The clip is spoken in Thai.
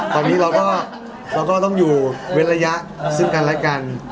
ตอนนี้เราก็ต้องอยู่เว้นระยะซึ่งกันและกัน